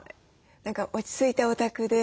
何か落ち着いたお宅で。